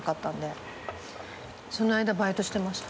その間バイトしてました。